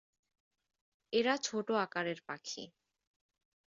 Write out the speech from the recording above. এরা ছোট আকারের পাখি।